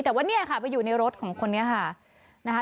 แต่ว่าเนี่ยค่ะไปอยู่ในรถของคนนี้ค่ะนะคะ